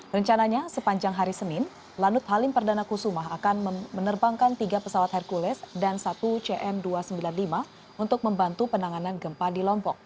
rencananya sepanjang hari senin lanut halim perdana kusuma akan menerbangkan tiga pesawat hercules dan satu cm dua ratus sembilan puluh lima untuk membantu penanganan gempa di lombok